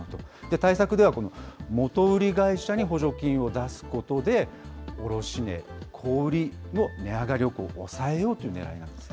対策では元売り会社に補助金を出すことで、卸値、小売りの値上がりを抑えようというねらいなんですね。